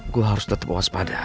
gue harus tetap waspada